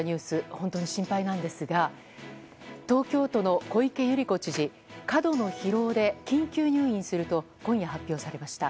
本当に心配なんですが東京都の小池百合子知事過度の疲労で緊急入院すると今夜、発表されました。